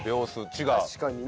違う。